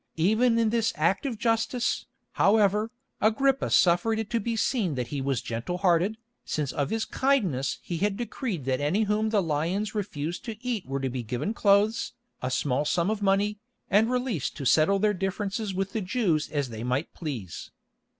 Even in this act of justice, however, Agrippa suffered it to be seen that he was gentle hearted, since of his kindness he had decreed that any whom the lions refused to eat were to be given clothes, a small sum of money, and released to settle their differences with the Jews as they might please.